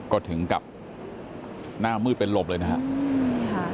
ก็ถึงกับหน้ามืดเป็นหลบเลยนะครับ